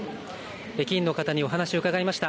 駅員の方にお話を伺いました。